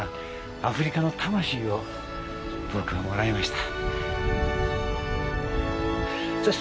アフリカの魂を僕はもらいました。